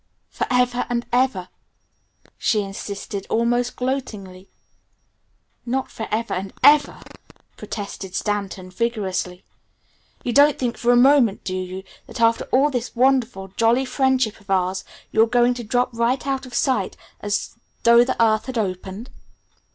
"Forever and ever!" she insisted almost gloatingly. "Not forever and ever!" protested Stanton vigorously. "You don't think for a moment, do you, that after all this wonderful, jolly friendship of ours, you're going to drop right out of sight as though the earth had opened?"